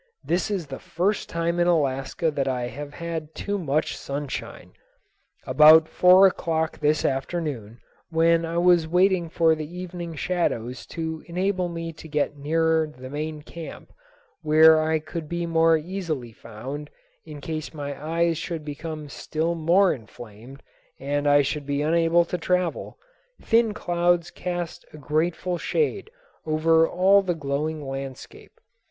This is the first time in Alaska that I have had too much sunshine. About four o'clock this afternoon, when I was waiting for the evening shadows to enable me to get nearer the main camp, where I could be more easily found in case my eyes should become still more inflamed and I should be unable to travel, thin clouds cast a grateful shade over all the glowing landscape.